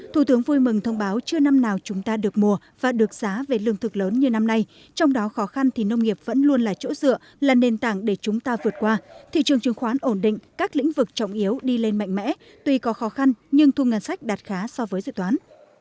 thủ tướng vui mừng thông báo chưa năm nào chúng ta được mùa và được giá về lương thực lớn như năm nay trong đó khó khăn thì nông nghiệp vẫn luôn là chỗ dựa là nền tảng để chúng ta vượt qua thị trường chứng khoán ổn định các lĩnh vực trọng yếu đi lên mạnh mẽ tuy có khó khăn nhưng thu ngân sách đạt khá so với dự toán